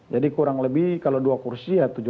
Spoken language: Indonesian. jadi kurang lebih kalau dua kursi